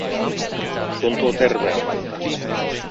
Tuntuu terveemmältä.